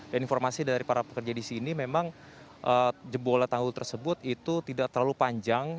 dan informasi dari para pekerja di sini memang jebol jebol tanggul tersebut itu tidak terlalu panjang